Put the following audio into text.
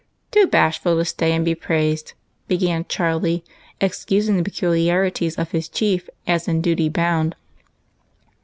" Too bashful to stay and be praised," began Charlie, excusing the peculiarities of his chief as in duty bound.